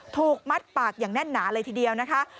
ถูกมัดปากอย่างแน่นหนาเลยทีเดียวนะคะ